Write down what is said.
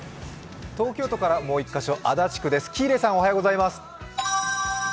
東京都からもう１カ所足立区です。